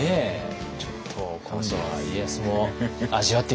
ちょっと今度は家康も味わってみましょうかね。